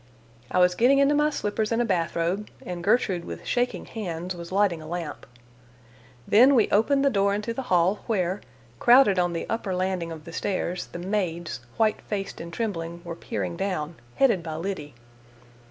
I was getting into my slippers and a bath robe, and Gertrude with shaking hands was lighting a lamp. Then we opened the door into the hall, where, crowded on the upper landing of the stairs, the maids, white faced and trembling, were peering down, headed by Liddy.